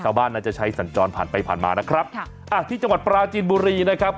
น่าจะใช้สัญจรผ่านไปผ่านมานะครับค่ะอ่าที่จังหวัดปราจีนบุรีนะครับ